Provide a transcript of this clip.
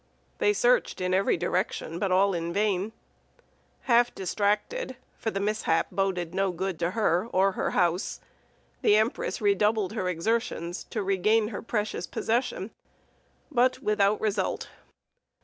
They searched in every direction, but all in vain. Half distracted, for the mishap boded no good to her or her house, the empress redoubled her exertions to regain her precious possession, but without result.